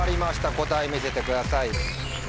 答え見せてください。